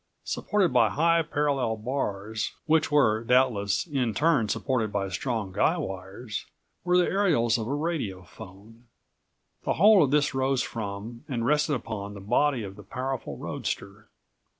Supported by high parallel bars, which were doubtless in turn supported by strong guy wires, were the aerials of a radiophone. The whole of this rose from, and rested upon, the body of the powerful roadster.